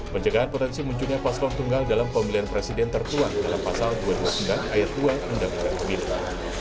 pencegahan potensi munculnya pasang tanggal dalam pemilihan presiden tertua dalam pasal dua puluh sembilan ayat dua undang undang pemilih